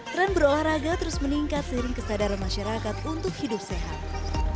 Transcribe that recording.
tren berolahraga terus meningkat seiring kesadaran masyarakat untuk hidup sehat